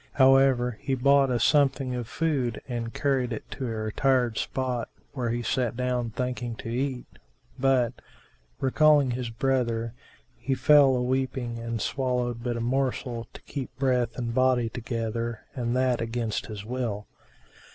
However, he bought a something of food and carried it to a retired spot where he sat down thinking to eat; but, recalling his brother, he fell a weeping and swallowed but a morsel to keep breath and body together, and that against his will.